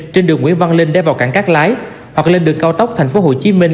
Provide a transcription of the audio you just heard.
trên đường nguyễn văn linh đeo vào cảng các lái hoặc lên đường cao tốc thành phố hồ chí minh